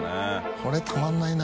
これたまらないな。